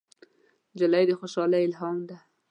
نجلۍ د خوشحالۍ الهام ده.